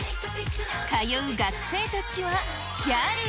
通う学生たちはギャル。